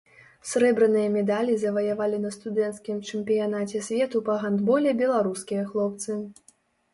Срэбраныя медалі заваявалі на студэнцкім чэмпіянаце свету па гандболе беларускія хлопцы.